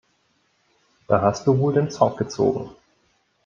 Da hast du wohl den Zonk gezogen.